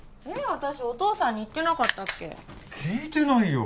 私お父さんに言ってなかったっけ聞いてないよ